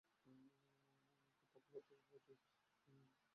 আমি একটু পক্ষপাতী।